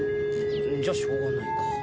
じゃあしょうがないか。